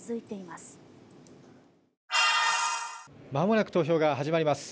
まもなく投票が始まります。